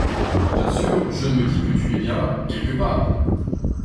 Bien sûr je me dis que tu es bien là, quelque part.